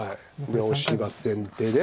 でオシが先手で。